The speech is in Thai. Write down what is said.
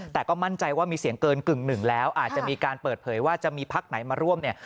แต่ก็มั่นใจว่ามีเสียงเกินกึ่งหนึ่งแล้วอาจจะมีการเปิดเผยว่าจะมีพักไหนมาร่วมเนี่ย